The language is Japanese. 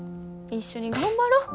一緒に頑張ろ。